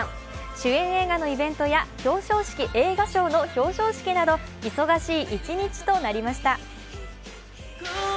主演映画のイベントや映画賞の表彰式など忙しい一日となりました。